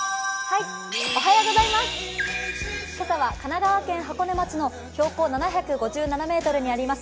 今朝は神奈川県箱根町の標高７５７ｍにあります